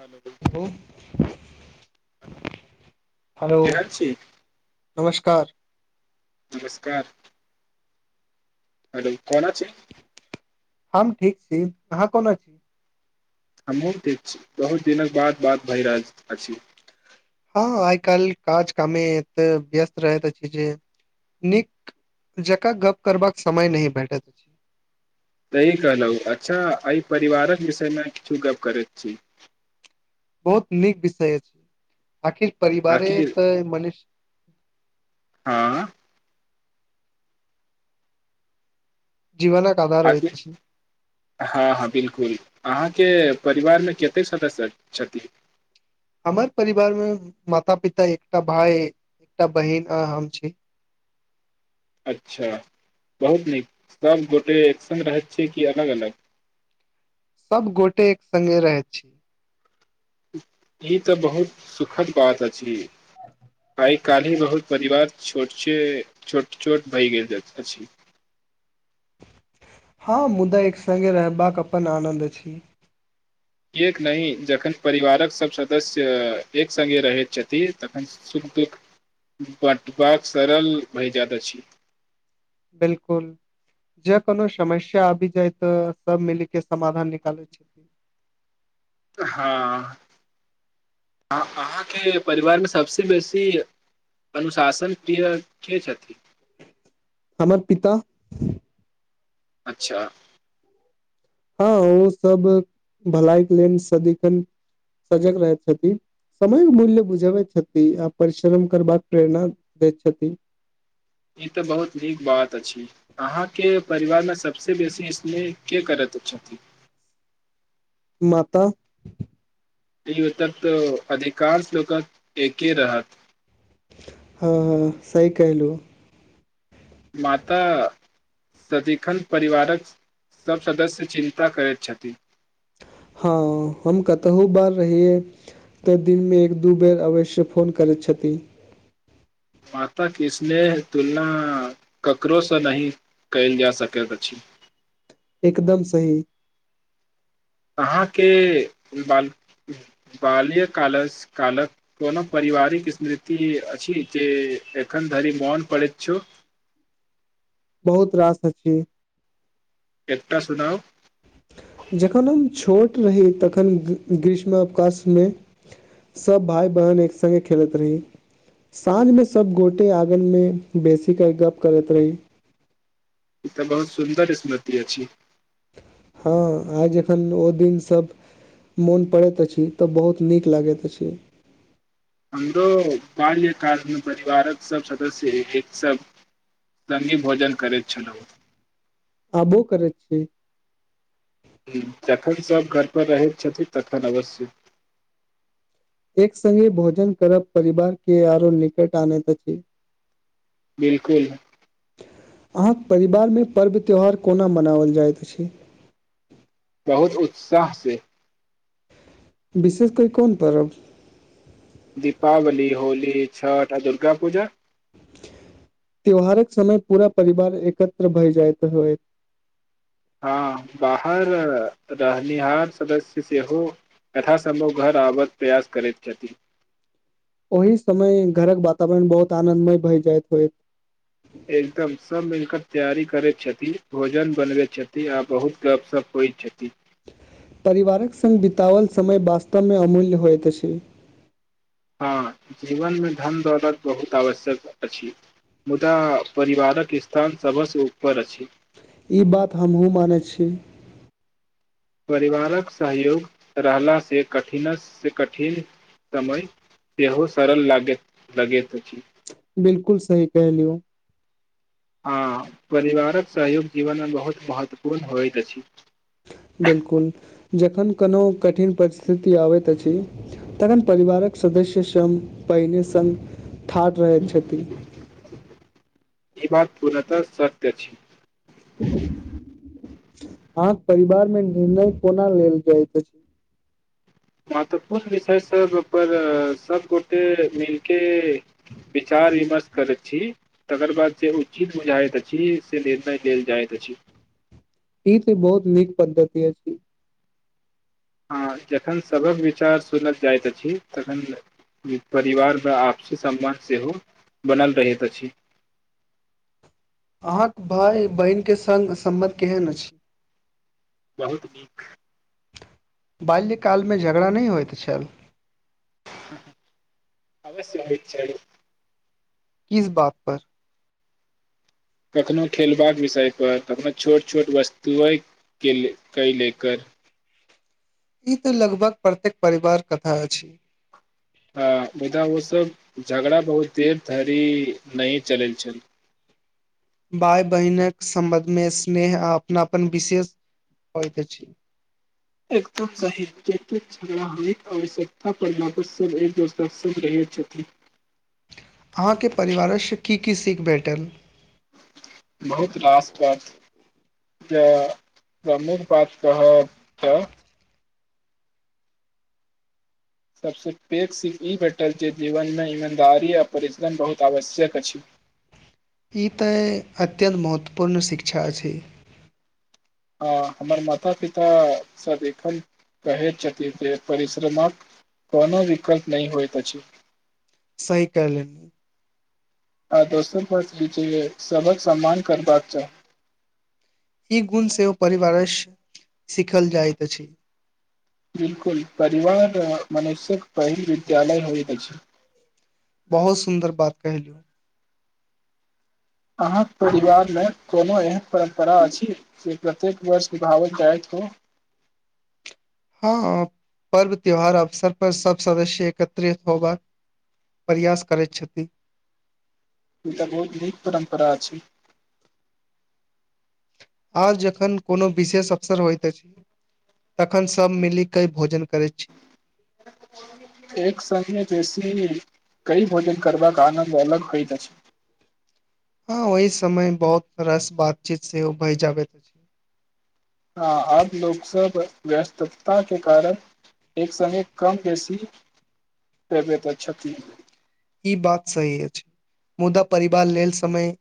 हलो hello hello केहन छी नमस्कार नमस्कार हेलो कोना छै हम ठीक छी अहाँ कोना छी हमहहुँ ठीक छी बहुत दिनक बाद बात भहि रहल अछि हँ आइ काल्हि काज कामे एते व्यस्त रहैत अछि जे नीक जकाँ गप करबाक समय नहि भेटैत अछि सही कहलहु अच्छा एहि परिवारक विषयमे किछु गप्प करैत छी बहुत नीक विषय छै आखि परिवारे आखिर तऽ मनिष हँ जीवनक आधार होइत आने अछि हँ हँ बिलकुल अहाँके परिवार मे कतेक सदस्य छथि हमर परिवार मे माता पिता एकटा भाय एकटा बहिन आ हम छी अच्छा बहुत नीक सभ गोटे एकशंग रहैत छै कि अलग अलग सभ गोटे एक सङ्गे रहैत छी ई तऽ बहुत सुखद बात अछि आ काल्हिी बहुत परिवार छोट छोट भहि गेल अछि हँ मुदा एक सङ्गे रहबाक अपन आनन्द छी किएक नहि जखन परिवारक सभ सदस्य एक सङ्गे रहैत छथिन तखन शुख दुख बँटबाक सरल भय जााद छी बिलकुल जे कोनो समस्या आबि जाय तऽ सभ मिलि के समाधान निकालै छथिन हँ अहाँके परिवारमे सभसे बेसी अनुशासन प्रिय के छथिन हमर पिता अच्छा हँ ओ सब भलाइ के लेलन सदिखन सजग रहै छथि समय मूल्य बुझबैत छथि आ परिश्रम करबाक प्रेरणा दैत छथि ई तऽ बहुत नीक बात अछि अहाँके परिवारमे सभसे बेसी स्नेह के करैत छथिन माता नहि ओ तक तो अधिकांश लोकक एके रहत ह ह सइ कहिलु माता सदिखन परिवारक सभ सदस्य चिन्ता करैत छथि हँ हम कतहु बार रहियै तऽ दिनमे एक दू बेर अवश्य फोन करैत छथिन माँता के स्नेह तुलना ककरोसँ नहि कयल जा सकैत अछि एकदम सही अहाँके बाल बाल्य काल कालक कोनो पारिवारिक स्मृति अछि जे एखन धरि मौन पड़ैत छ बहुत रास अ एकटा सुनाउ जखन हम छोट रही तखन ग्रीशमवकाशमे सभ भाय बहिन एक सङ्गे खेलैत रही साँझमे सभ गोटे आङगनमे बेसीेऽ गप्प करैत रही ई तऽ बहुत सुन्दर स्मृति अछि हँ आइ जखन ओ दिन सभ मोन पड़ैत अछि तऽ बहुत नीक लागैत अछि हमरो बाल्य कालमे परिवारक सभ सदस्य एक सब सँघे भोजन करैत छलहु आबो करैत छिय जखन सभ घरपर रहैत छथिन तखन अवश्य एक सङ्गे भोजन करब परिवार के आरो निकट आनैत अछि बिलकुल अहाँक परिवारमे पर्व त्यौहार कोना मनाओल जाइत अछि बहुत उत्साह से विशेष कोइ कोन पर्व दीपावली होली छठ आ दुर्गा पूजा त्यौहारक समय पूरा परिवार एकत्र भए जाइत होइत हँ बाहर रहनिहार सदस्य सेहो यथा सम्ूह घर आबक प्रयास करैत छथि ओहि समय घरक वातावरण बहुत आनन्दमय भए जायइत होइत एकदम सभ मिल क तैयारी करैत छथिन भोजन बनबैत छथिन आ बहुत गपशप होइत छथि परिवारक सङ्ग बिताओल समय वास्तवमे अमूल्य होइत अछि हँ जीवनमे धन दौलत बहुत आवश्यक अछि मुदा परिवारक स्थान सभसँ ऊपर अछि ई बात हमहुँ मानैत छी परिवारक सहयोग रहलासे कठिनसँ कठिन समय सेहो सरल लागैत लगैत अछि बिलकुल सही कहलियौ ह परिवारक सहयोग जीवनमे बहुत महत्वपूर्ण होइत अछि बिलकुल जखन कोनो कठिन परिस्थिति आबैत अछि तखन परिवारक सदस्य स पहिने सङ्ग थाढ़ रहैत छथिन ई बात पूर्णतः सत्य अछि [inaudible] अहाँके परिवार मे निर्णय कोना लेल जाइत अछि मत्वपूर्ण विषय सब पर सब गोटे मिलके बिचार विमर्श करैत छी तकर बाद से उचित हो जाइत अछि से निर्णय लेल जायइत अछि ई त बहुत नीक पद्धति य जी हँ जखन सभक विचार सुनल जाइत अछि तखन परिवार व आपसी सम्मान सेहो बनल रहैत अछि अहाँक भाय बहिनके सङ्ग सम्मति केहन अछि बहुत नीक बाल्यकालमे झगड़ा नहि होइत छल अवश्य होइत छल किस बात पर कखनोहु खेलबाक विषय पर कखननो छोट छोट वस्तुएके क लेकर ई तऽ लगभग प्रत्येक परिवार कथा अछि ह मुदा ओसभ झगड़ा बहुत देर धरि नहि चलल छल भाय बहिनक सम्बन्धमे स्नेह आ अपनापन विशेष होइत अछि एकदम सही जतेक झगड़ा हरिक आवश्यकता पर लापत सभ एक दोस्त सब् रहै छथि अहाँके परिवारसँ की की सीख भेटल बहुत रासपर जे प्रमुख बात कहब तऽ सबसे पैग सिख ई भेटल छैय जीवनमे ईमानदारी आ परिश्रम बहुत आवश्यक अछि। ई तऽ अत्यन्त महत्वपूर्ण शिक्षा छैय। ह हमर माता पिता सभ एखन कहैत छथिन जे परिश्रमक कोनो विकल्प नहि होइत अछि। सही कहलनी आ दोसर [unintelligible] सबहक सम्मान करबाक चाही। ई गुण सेहो परिवारस सीखल जाइत अछि। बिलकुल परिवार मनुष्यक पहिल विद्यालय होइत अछि। बहुत सुन्दर बात कहिलू अहाँ परिवार ल कोनो एहन परम्परा अछि जे प्रत्येक वर्ष विभावक के आइब क हँ पर्व त्योहार अवसरपर सभ सदस्य एकत्रित होयबाक प्रयास करैत छथि। ई त बहुत नीक परम्परा अछि। आर जखन कोनो विशेष अवसर होइत अछि तखन सब मिलीके भोजन करैत छी। एक [unintelligible] कई भोजन करबाक आनन्द अलग होइत अछि। हँ ओहि समय बहुत रास बातचीत सेहो भय जाबैत अछि। ह अब लोक सब व्यस्तता के कारण एक समय कम बेसी [unintelligible] ई बात सही अछि मुदा परिवार लेल समय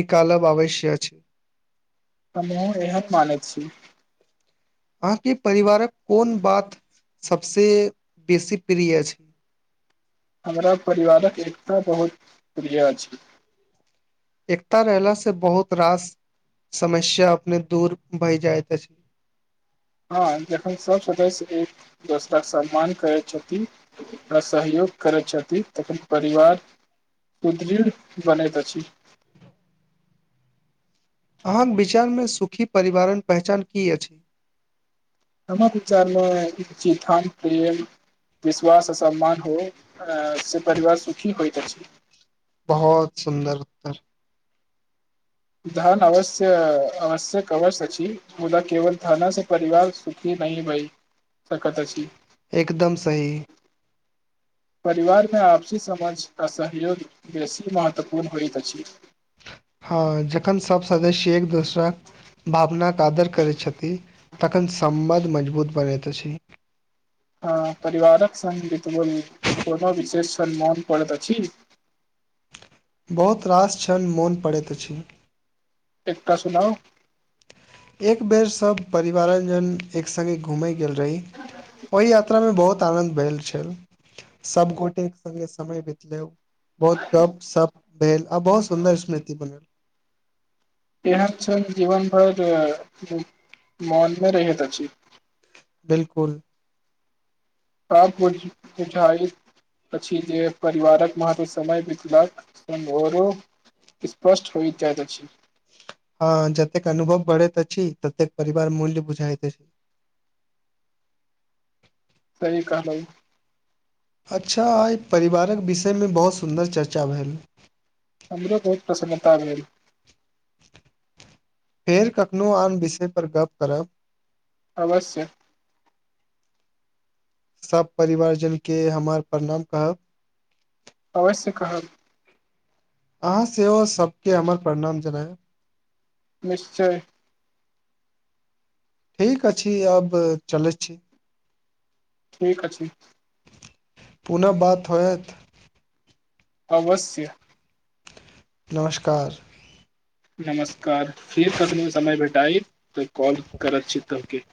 निकालब आवश्य अछि। हमहुँ एहन मानैत छी। अहाँके परिवारक कोन बात सभसे बेसी प्रिय अछि हमरा परिवारक एकता बहुत प्रिय अछि। एकता रहलासँ बहुत रास समस्या अपने दूर भए जाइत अछि। हँ जखन सभ सदस्य एक दोसरा सम्मान करैत छथिन आ सहयोग करैत छथिन तखन परिवार सुदृढ़ बनैत अछि। अहाँ विचारमे सुखी परिवारण पहचान की अछि हमर विचारमे चि धन प्रेम विश्वास आ सम्मान हो से परिवार सुखी होइत अछि। बहुत सुन्दर उत्तर धन अवश्य आवश्यक अवश्य अछि मुदा केवल धन से परिवार सुखी नहि भई सकत अछि। एकदम सही परिवार मे आपसी समझ आ सहयोग बेसी महत्वपूर्ण होइत अछि। हँ जखन सब सदस्य एक दोसरा भावना के आदर करै छथि तखन सम्मध मजबूत बनैत अछि। हँ परिवारक सङ्ग बितबेल कोनो विशेष सम्मान पड़ैत अछि। बहुत रास छन मोन पड़ैत अछि। एकटाऽ सुनाउ एक बेर सभ परिवारक जन एक सङ्गे घूमेय गेल रही ओहि यात्रा मे बहुत आनन्द भेल छल सभगोटे एक सङ्गे समय बितलै। बहुत कप सप भेल आ बहुत सुन्दर स्मृति बनल इह छन जीवन भर मनमे रहैत अछि। बिलकुल [unintelligible] अछि जे परिवारक मत समय बितला सर्पष्ट होइ अछि। हँ जतेक अनुभव बढ़ैत अछि ततेक परिवार मूल्य बुझाइतइत अछि। की कहलौं अच्छा आइ परिवारक विषयमे बहुत सुन्दर चर्चा भेल। हमरो बहुत प्रसन्नता भेल। फेर कखनो आन बिषय पर गप करब। अवश्य सभ परिवार जन के हमर प्रणाम कहब अवश्य कहब अहाँ सेहो सबके हमर प्रणाम जनय निश्चय ठीक अछि अब चलैय छी ठीक अछि पुनः बात होयत अवश्य नमस्कार नमस्कार फेर कखनोहु समय भेटाइ तऽ कॉल करत छी तके